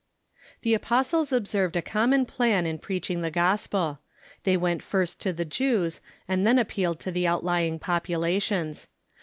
The apostles observed a common plan in preaching the gospel. They Avent first to the Jcavs, and then appealed to the outlvino' populations.